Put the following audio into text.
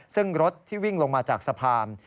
ซึ่งรถที่วิ่งลงมาจากสะพาน